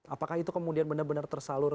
apakah itu kemudian benar benar tersalur